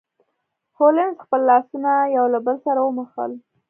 هولمز خپل لاسونه یو له بل سره وموښل.